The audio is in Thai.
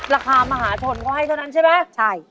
ราคามหาชนเขาให้เท่านั้นใช่ไหมใช่